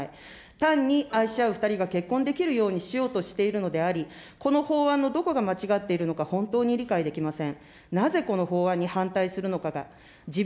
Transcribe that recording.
単に愛し合う２人が結婚できるようにしようとしているのであり、この法案のどこが間違っているのか、本当に理解できません。